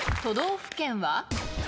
都道府県は？